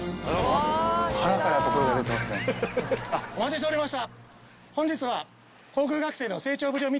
お待ちしておりました。